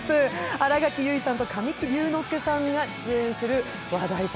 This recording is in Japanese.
新垣結衣さんと神木隆之介さんが出演する話題作。